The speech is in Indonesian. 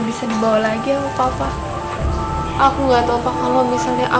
tapi candelari portos kelengkapan ke sekelilingnya